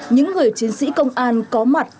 những người chiến sĩ công an có mặt